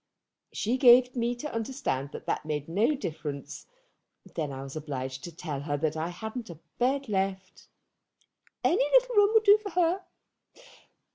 She gave me to understand that that made no difference. Then I was obliged to tell her that I hadn't a bed left. Any little room would do for her.